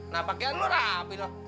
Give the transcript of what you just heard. nah pakaian itu rapi loh